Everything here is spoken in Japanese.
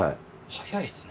早いですね。